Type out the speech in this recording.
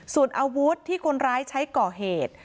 ส่วนอาวุธที่คนร้ายใช้ก่อเหตุ